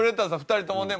２人ともね